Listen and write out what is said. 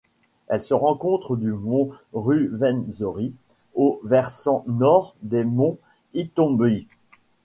Elle se rencontre du mont Ruwenzori au versant nord des monts Itombwe.